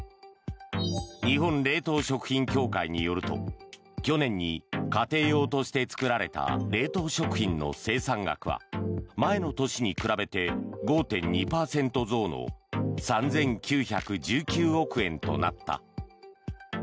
日本冷凍食品協会によると去年に家庭用として作られた冷凍食品の生産額は前の年に比べて５．２％増の３９１９億円となった。